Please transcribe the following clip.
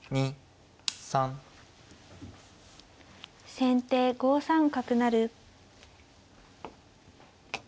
先手５三角成。